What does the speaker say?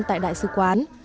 tại đại sứ quán